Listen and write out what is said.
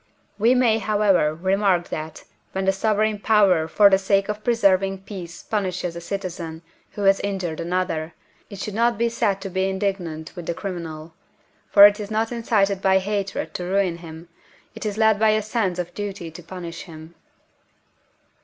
we may, however, remark that, when the sovereign power for the sake of preserving peace punishes a citizen who has injured another, it should not be said to be indignant with the criminal, for it is not incited by hatred to ruin him, it is led by a sense of duty to punish him.